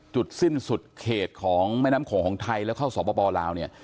จุดสิ้นสุดเขตของภาพแม่น้ำของแม่งไทยแล้วเข้าส่อปล้าว